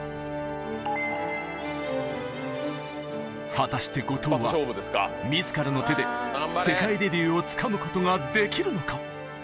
果たして後藤は自らの手で世界デビューをつかむことができるのか？